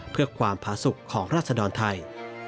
เพื่อความผาสุขของราศดรไทย